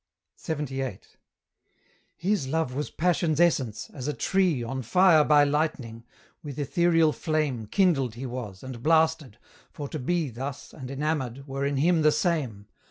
LXXVIII. His love was passion's essence as a tree On fire by lightning; with ethereal flame Kindled he was, and blasted; for to be Thus, and enamoured, were in him the same.